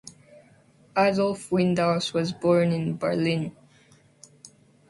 Adolf Windaus was born in Berlin.